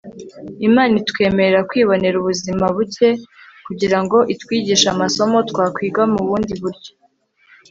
imana itwemerera kwibonera ubuzima buke kugira ngo itwigishe amasomo twakwiga mu bundi buryo - c s lewis